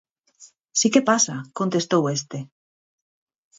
Si que pasa, contestou este.